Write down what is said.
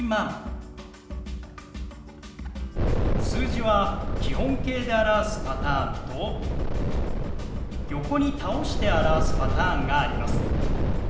数字は基本形で表すパターンと横に倒して表すパターンがあります。